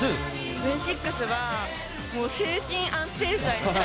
Ｖ６は、もう精神安定剤みたいな。